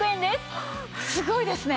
すごいですね！